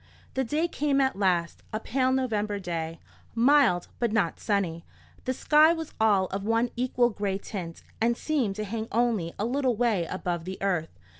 The day came at last, a pale November day, mild but not sunny. The sky was all of one equal grey tint, and seemed to hang only a little way above the earth.